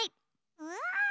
うわ！